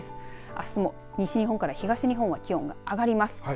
あすも西日本から東日本は気温が上がります。